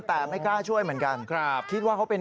แต่ไม่กล้าช่วยเหมือนกัน